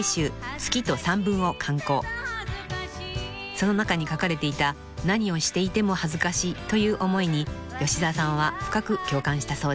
［その中に書かれていた「何をしていても恥ずかしい」という思いに吉澤さんは深く共感したそうで］